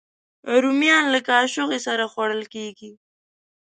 رومیان له کاچوغې سره خوړل کېږي